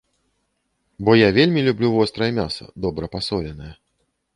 Бо я вельмі люблю вострае мяса, добра пасоленае.